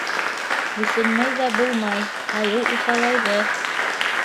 Күсенмәй ҙә булмай: айыу уҫалайҙы.